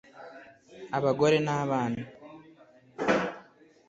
abagore n’abana